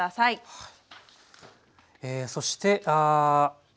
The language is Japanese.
はい。